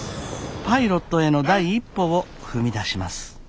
パイロットへの第一歩を踏み出します。